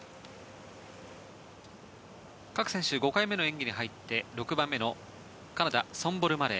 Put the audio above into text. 各選手５回目の演技に入って６番目のカナダソンボル・マレー